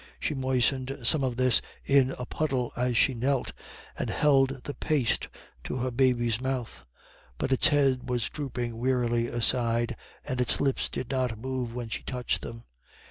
She moistened some of this in a puddle as she knelt, and held the paste to her baby's mouth. But its head was drooping wearily aside, and its lips did not move when she touched them.